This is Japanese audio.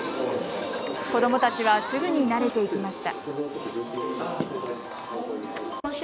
子どもたちはすぐに慣れていきました。